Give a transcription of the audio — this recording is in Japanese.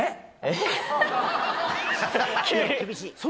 えっ？